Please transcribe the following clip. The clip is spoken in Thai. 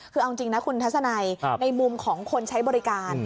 คือเอาจริงนะคุณทัศนัยในมุมของคนใช้บริการ